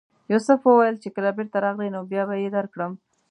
یوسف وویل چې کله بېرته راغلې نو بیا به یې درکړم.